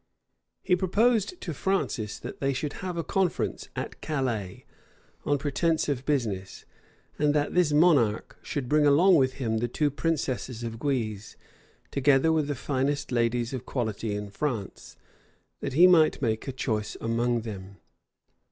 He proposed to Francis, that they should have a conference at Calais on pretence of business; and that this monarch should bring along with him the two princesses of Guise, together with the finest ladies of quality in France, that he might make a choice among them.